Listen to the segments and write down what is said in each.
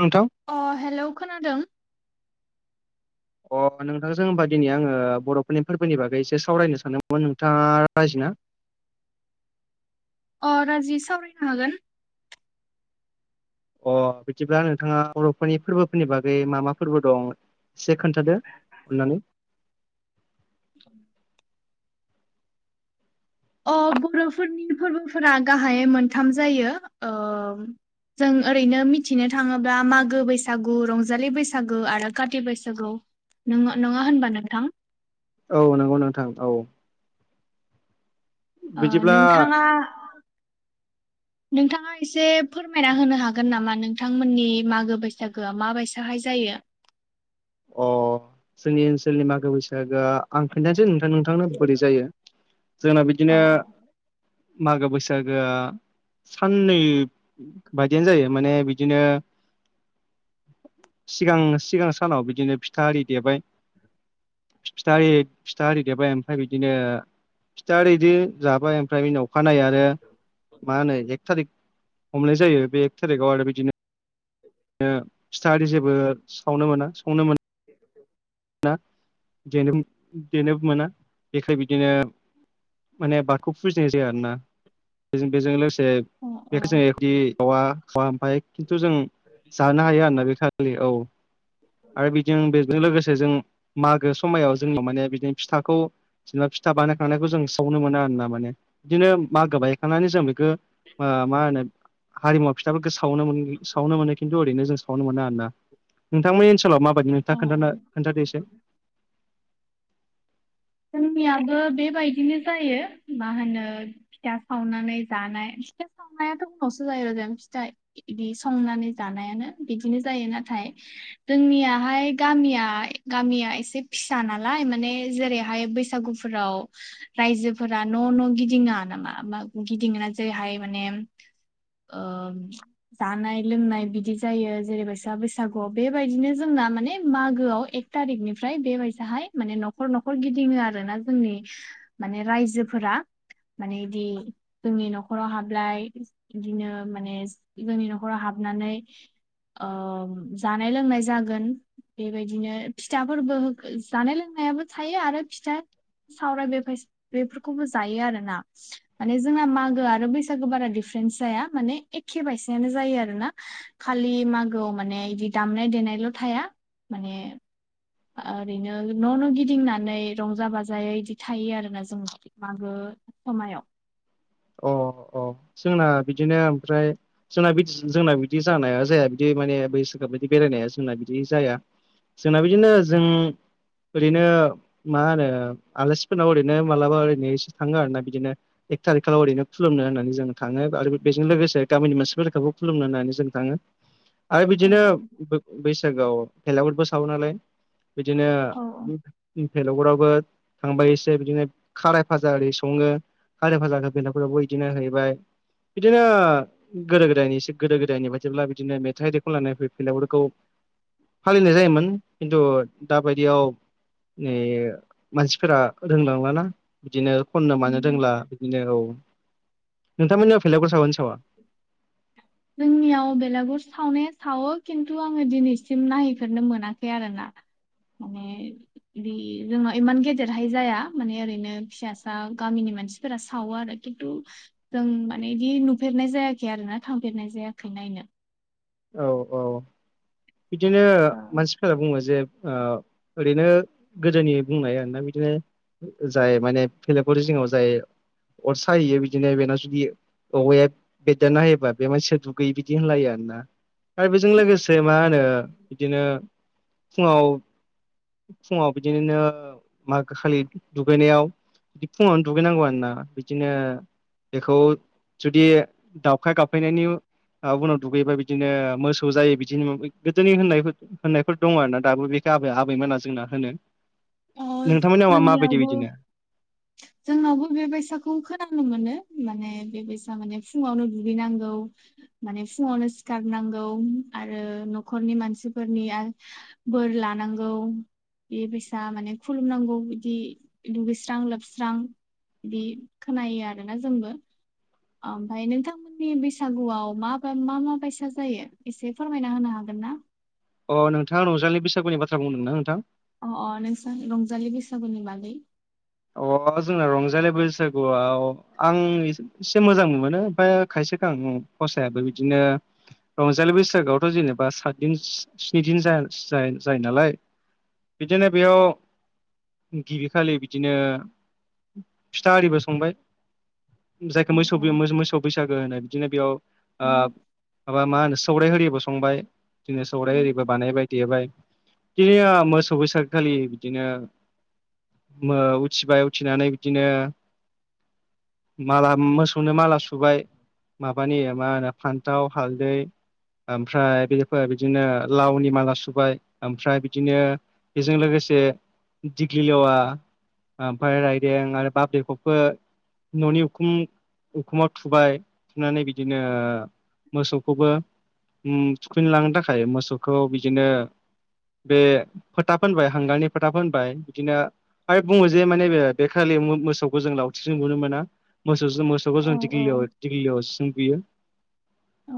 नोंथां अ हेलौ खोनादों अ नोंथांजों होमबा दिनै आङो बर' फोरनि फोरबोनि बागै एसे सावरायनो सानदोंमोन नोंथाङा राजिना अ राजि सावरायनो हागोन अ बिदिब्ला नोंथाङा बर'फोरनि फोरबोफोरनि बागै मा मा फोरबो दं से खोन्थादो अननानै [inaudible] अ बर'फोरनि फोरबोफोरा गाहायै मोनथाम जायो ओ जों ओरैनो मिथिनो थाङोब्ला मागो बैसागु रंजालि बैसागु आरो काति बैसागु नोङो नङा होनबा नोंथां औ नंगौ नोंथां औ ओ बिदिब्ला नोंथाङा [inaudible] नोंथाङा एसे फोरमायना होनो हागोन नामा नोंथांमोननि मागो बैसा गोआ माबायसाहाय जायो? [inaudible] अ जोंनि ओनसोलनि मागो बैसागोआ आं खोनन्थानोसै नोंथां नोंथांनो बोरै जायो। जोंना औ बिदिनो मागो बैसागोआ साननै बायदियानो जायो माने बिदिनो सिगां सिगां सानाव बिदिनो फिथा आरि देबाय फिथा आरि फिथा आरि देरबाय ओमफ्राय बिदिनो फिथादिनो जाबाय ओमफ्राय उनाव अखानायै आरो मा होनो एक थारिक हमनाय जायो बे एक थारिकआव आरो बिदिनो ओ फिथा आररि जेबो सावनो मोना संनो मोन [inaudible] देनोबो मोना जेखाय बिदिनो माने बादखौ फुजिनाय जाया आरोना बेजों लोगोसे औ अ बेखौ जों अ इदि खावा खा ओमफ्राय खिन्थु जों जानो हायो आरोना बे खालि औ आरो बिदि बेजों लोगोसे जों मागो समायाव जों माने बिदिनो फिथाखौ जेनेबा फिथा बानायखांनायखौ जों सावनो मोनो आर ना माने बिदिनो मा गोबाय थानानै जों बेखौ मा होनो हारिमु फिथाफोरखौ सावनो सावनो मोनो खिन्थु ओरैनो जों सावनो मोना आर ना नोंथांमोननि ओनसोलाव माबायदि अ नोंथाङा खथा अ खोनथादो एसे जोंनियाबो बेबायदिनो जायो मा होनो फिथा सावनानै जानाय फिथा सावनायाथ' उनावसो जायो आरो ज फिथाइ बिदि संनानै जानायानो बिदिनो जायो नाथाय जोंनियाहाय गामिया गामिया एसे फिसा नालाय माने जेरै बेहाय बैसागुफोराव रायजोफोरा न' न' गिदिङा नामा गिदिङा जेरैहाय माने आ जानाय लोंनाय बिदि जायो जेरैबायसा बैसागु बेबायदिनो जोंना माने मागोआव थारिखनिफ्राय बेबायसाहाय माने न'खर न'खर गिदिङो आर ना जोंनि माने रायजोफोरा माने बिदि जोंनि न'खराव हाबलाय बिदिनो माने जोंनि न'खराव हाबनानै जानाय लोंनाय जागोन बेबायदिनो फिथाफोरबो जानाय लोंनायाबो थायो आरो फिथा सावराय बेफ बेफोरखौबो जायो आरोना माने जोंना मागो आरो बैसागो बारा दिफारेन्स जाया माने एखे बायसेयानो जायो आरो ना खालि मागोआव माने बिदि दामनाय देनायल' थाया माने ओरैनो न' न' गिदिंनानै रंजा बाजायै इदि थायो आरोना जोङो मागो समायाव अ अ जोंना बिदिनो ओमफ्राय जोंना बिदि जोंना बिदि जानाया जाया बिदि माने बैसागआ बिदि बेरायनाया जोंना बिदि जाया जोंना बिदिनो जों ओरैनो मा होनो आलासिफोरनाव ओरैनो मालाबा ओरैनोसे थाङो आरो ना बिदिनो एक थारिख आखावरिनो खुलुमनो होननानै जों थाङो आरो बेजों लोगोसे गामिनि मोनसेबो लेखाखौ खुलुमनो होननानै जों थाङो आरो औ बिदिनो औ बैसागोआव फेलाफोरबो सावो नालाय बिदिनो औ औ इ भेलगुरावबो थांबायसेो बिदिनो खाराय भाजा ओरै सङो खाराय भाजा बेलाफोरावबो बिदिनो हैबाय बिदिनो गोदो गोदायनि एसे गोदो गोदायनि बायदिब्ला बिदिनो मेथाइ दैखौ लानानै फै फैलाफोरखौ फालिनाय जायोमोन खिन्थु दाबायदियाव नै मानसिफोरा रोंलांलाना बिदिनो खननो मानो रोंला बिदिनो औ नोंथांमोननियाव बेलागुर सागोना सावा [inaudible] जोंनियाव बेलागुर सावनाया सावो खिन्थु आङो दिनैसिम नायहैफेरनो मोनाखै आरोना माने बि जोंनाव इमान गेदेरहाय जाया माने ओरैनो फिसासा गामिनि मानसि फोर सावो आरो खिन्थु जों माने बिदि नुफेरनाय जायाखै आरो ना थांफेरनाय जायाखै नायनो औ औ बिदिनो औ मानसिफोरा बुङो जे ओरैनो गोदोनि बुंनाया आरोना बिदिनो जाय माने फलेगि जिङाव जाय अर साहैयो बिदिनो बेनाव जुदि औवाया बेददारना हायोबा बे मान सो दुगैयि बिदि होनलायो आरोना आरो बेजों लोगोसे मा होनो बिदिनो फुङाव फुङाव बिदिनो मागो खालि दुगैनायाव बिदि फुङावनो दुगैनांगौ आरोना बिदिनो बेखौ जुदि दावखाय गाबफैनायनि उनाव दुगैबा बिदि बिदिनो मोसौ जायो बिदिनो माबा गोदोनि होननायफोर होननायफोर दङ आरो ना दाबो बेखौ आबै आबैमोना जोंना होनो अ नोंथांमोननियावा माबायदि जोंनियावबो बिदिनो जोंनावबो बेबायसाखौ खोनानो मोनो माने बेबायसा माने फुङावनो दुगैनांगौ माने फुङावनो सिखारनांगौ आरो न'खरनि मानसिफोरनि बोर लानांगौ बे फैसा माने खुलुमनांगौ बिदि दुगैस्रां लोब हास्रां बिदि खोनायो आरोना जोंबो ओमफ्राय नोंथां प्रि बैसागुआव मा मा मा बायसा जायो एसे फोरमायना होनो हागोन ना अहोंथाङा रंजालि बैसागुनि बाथ्रा बुंदों ना नोंथां अ अ नोंसा रंजालि बैसागुनि बागै अ जोंना रंजालि बैसागुआव आं इस एसे मोजां मोनो ओमफ्राय खायसे खां फसायाबो बिदिनो रंजालि बैसागोआवथ' जेनेबा सातदिन स्नि दिन जायो नालाय बिदिनो बेयाव गिबि खालि बिदि बिदिनो फिथा आरिबो संबाय जायखौ औ मोसौ मोसौ बैसागु लोगो होनो बिदिनो बेयाव माबा मा होनो सौराइ ओरिबो संबाय बिदिनो सौराय औ एरिबो बानायबाय देबाय बिदिनो मोसौ बैसागोखालि बिदिनो उथिबाय उथिनानै बिदिनो माला मोसौनो माला सुबाय माबानि मा होनो फान्थाव हालदै ओमफ्राय बेफोर बिदिनो लावनि माला सुबाय ओमफ्राय बिदिनो बेजों लोगोसे दिग्लिलेवा ओमफ्राय रायदों आरो बाबलिकबो न'नि उखुम उखुमाव थुबाय थुनानै बिदिनो मोसौखौबो थुखैनलांनो थाखाय मोसौखौ बिदिनो बे फोथा फोनबाय हांगारनि फोथा फोनबाय बिदिनो ओमफ्राय बुङो जे माने बे बेखालि मोसौखौ जों लावथिजों बुनो मोना मोसौ मोसौखौ औ जों औ दिग्लीयाव दिग्लीलेवाजों बुयो औ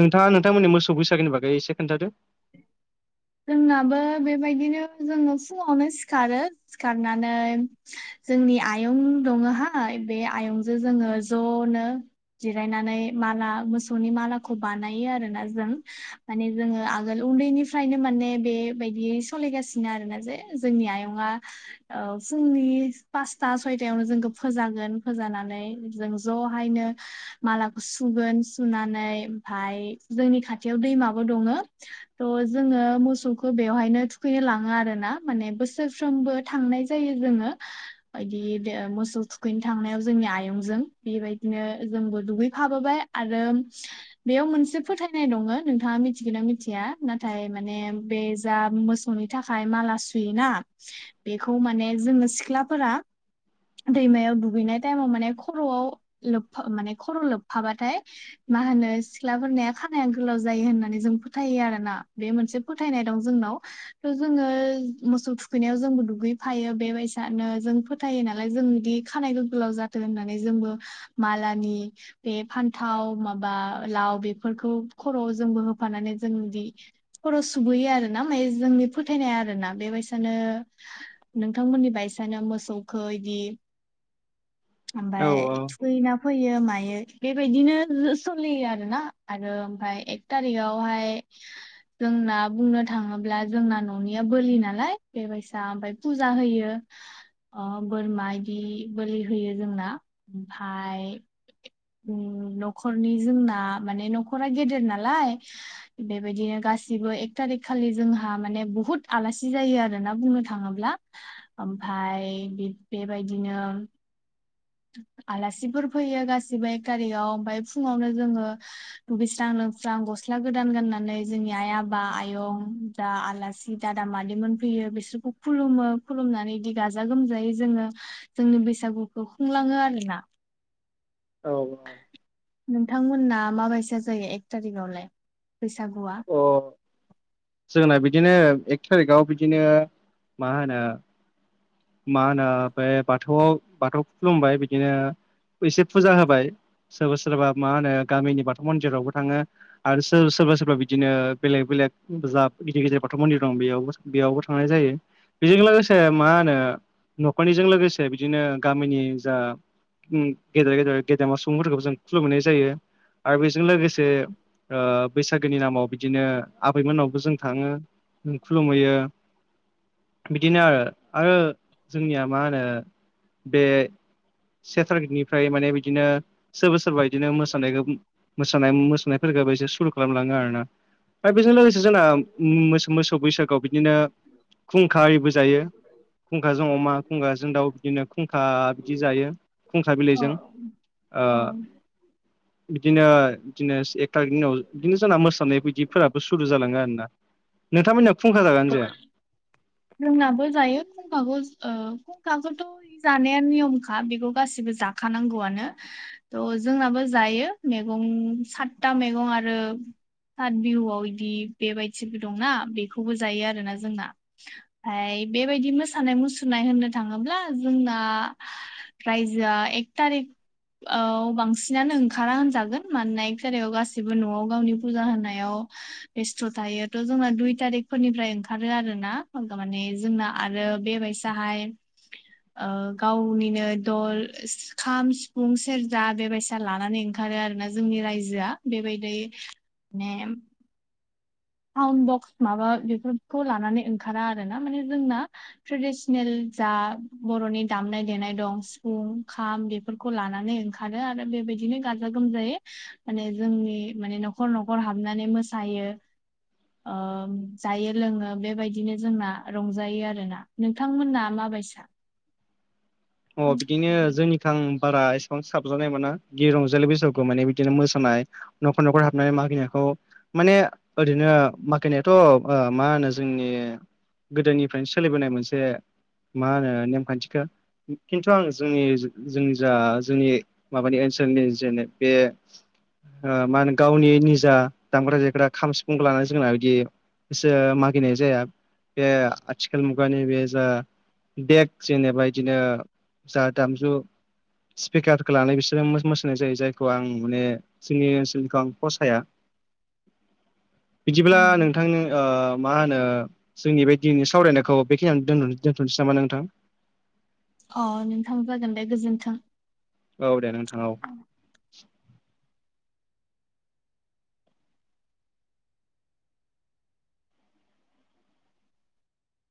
नोंथाङा नोंथांमोननि मोसौ गैसागोननि बागै एसे खोन्थादो जोंनाबो बेबायदिनो जोङो फुङावनो सिखारो सिखारनानै जोंनि आयं दङहाय बे आयंजों जोङो ज'नो जिरायनानै माला मोसौनि मालाखौ बानायो आरोना जों माने जोङो आगोल उन्दैनिफ्राय फ्रायनो माने बेबायदि सलिगासिनो आरोना जे जोंनि आयंआ औ फुंनि पासता सयथायावनो जोंखौ फोजागोन फोजानानै जों ज'हायनो मालाखौ सुगोन सुनानै ओमफाय जोंनि खाथियाव दैमाबो दङ त जोङो मोसौखौ बेवहायनो थुखैनो लाङो आरोना माने बोसोरफ्रोमबो थांनाय जायो जोङो बिदि मोसौ थुखैनो थांनायाव जोंनि आयंजों बेबायदिनो जोंबो दुगैफाबोबाय आरो बेयाव मोनसे फोथायनाय दङ नोंथाङा मिथिगोनोनां मिथिया ना थाय माने बे जा मोसौनि थाखाय माला सुयोना बेखौ माने जोङो सिख्लाफोरा दैमायाव दुगैनाय टाइमाव माने खरआव लोबा माने खर लोबफाबाथाय मा होनो सिख्लाफोरनिा खानाया गोलाव जायो होननानै जों फोथायो आरोना बे मोनसे फोथायनाय दं जोंनाव जोङो मोसौ थुखैनायाव जोंबो दुगैफायो बेबायसानो जों फोथायो नालाय जोंदि खानाय गो गोलाव जाथों होननानै जोंबो मालानि बे फान्थाव माबा लाव बेफोरखौ खरवाव जोंबो होफानानै जोंदि खर सचबोयो आरोना माय जोंनि फोथायनाया आरो ना बेबायसानो नोंथांमोननि बायसानो मोसौखो इदि औ ओमफ्राय फैना फैयो मायो बेबायदिनो सोलियो आरोना आरो ओमफ्राय थारिगावहाय जोंना बुंनो थाङोब्ला जोंना न'निया बोलि नालाय बेबायसा ओमफ्राय फुजा होयो बोरमा बिदि बलि होयो जोंना ओमफाय न'खरनि जोंना माने न'खरा गेदेर नालाय बेबायदिनो गा सिबो एक थारिक खालि जोंहा माने बहुत आलासि जायो आरोना बुंनो थाङोब्ला ओमफाय बेबायदिनो आलासिफोर फैयो गासिबो एक थारिखाव ओमफ्राय फुङावनो जोङो दुगैस्रां लोबस्रां गस्ला गोदान गाननानै जोंनि आइ आफा आयं दा आलासि दादा मादैमोन फैयो बिसोरखौ खुलुमो खुलुमनानै बिदि गाजा गोमजायै जोङो जोंनि बैसागुखौ खुंलाङो आरोना औ नोंथांमोना माबायदि जायो एक थारिकआवलाय बैसागुआ अ जोंना बिदिनो एक थारिखाव बिदिनो मा होनो मा होनो बे बाथौआव बाथौ खुलुमबाय बिदिनो एसे फुजा होबाय सोरबा सोरबा मा होनो गामिनि बाथौ मन्दिरावबो थाङो आरो सोर सोरबा सोरबा बिदिनो बेलेग बेलेग जा गिदिर गिदिर बाथौ मन्दिर दं बेयाव बेयावबो थांनाय जायो बेजों लोगोसे मा होनो न'खरनिजों लोगोसे बिदिनो गामिनि जा गेदेर गेदेर गेदेमा सुबुंफोरखौबो जों खुलुम मोननाय जायो आरो बेजों लोगो - से ओ बैसागोनि नामाव बिदिनो आबैमोननावबो जों थाङो खुलुमहैयो बिदिनो आरो आरो जोंनिया मा होनो बे से थारिगिटनिफ्राय माने बिदिनो सोरबा सोरबा इदिनो मोसानायखौ मसानाय मोसानायफोरखौबो एसे सुरु खालामलाङो आरोना दा बेजों लोगोसे जोंङो मोसौ मोसौ बैसागोआव बिदिनो खुंखा आरिबो जायो खुंखाजों अमा खुंखाजों दाउ बिदिनो खुंखा बिदि जायो खुंखा औ बिलाइजों ओ औ बिदिनो बिदिनो से थारिकनि उनाव बिदिनो जोंना मोसानाय बायदिफोराबो सुरु जालाङो आरोना नोंथांमोननिया फुंखा जागोनना जाया जोंनाबो जायो खुंखाखौ ओ खुंखाखौथ जानाया नियमखा बेखौ गासिबो जाखानांगौआनो थ जोंनाबो जायो मैगं सातथा मैगं आरो हाथ बिहुआव इदि बेबायदिबो दंना बेखौबो जायो आरोोना जोंना ओमफ्राय बेबायदि मोसानाय मुसुरनाय होननो थाङोब्ला जोंना रायजो आं एक तारिख औ बांसिनानो ओंखारा होनजागोन मानोना एक जायगायाव गासैबो न'आव गावनि फुजा होनायाव बेस्थ' थायोथ' जोंना दुइ तारिख फोरनिफ्राय ओंखारो आरो नाार माने जोंना आरो बेबायसाहाय गावनिनो दल खाम सिफुं सेरजा बेबायदि फैसा लानानै ओंखारो आरोना जोंनि रायजोआ बेबायदि माने साउड बक्स माबा बेफोरखौ लानानै ओंखारा आरो ना माने जोंना ट्रेडिसनेल जा बर'नि दामनाय देनाय दं सिफुं खाम बेफोर फोरखौ लानानै ओंखारो आरो बेबायदिनो गाजा गोमजायै माने जोंनि माने न'खर न'खर हाबनानै मोसायो जायो लोङो बेबायदिनो जोंना रंजायो आरोोना नोंथांमोना माबायसा अ बिदिनो जोंनि थां बारा एसेबां साबजानाय माना ग रंजालि बैसागु माने बिदिनो मोसानाय न'खर न'खर हाबनाय मागिनायखौ माने ओरैनो माखायनायाथ' मा होनो जोंनि गोदोनिफ्रायनो सोलिबोनाय मोनसे मा होनो नेमखान्थिखा खिन्थु आं जोंनि जोंनि जा जोंनि माबानि ओनसोलनि जेन बे मा होनो गावनि निजा दामग्रा देग्रा खाम सिफुंखौ लानानै जोंना बिदि सो मागिनाय जाया बे आथिखाल मुगानि बे जा देक जेनेबा इदिनो जा दामजु स्पिकारखौ लानानै बिसोरो मोसानाय जायो जायखौ आं माने जोंनि ओनसोलखौ आं फसाया बिदिब्ला उम नोंथांनो मा होनो जोंनि बे दिनैनि सावरायनायखौ बेखि आं दोनथ'सै नामा नोंथां? अ नोंथां जागोन दे गोजोन्थों। औ दे नोंथां औ।